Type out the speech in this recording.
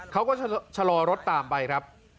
เขาก็ชะลอรถตามไปครับ